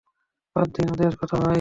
বাদ দিন ওদের কথা, ভাই।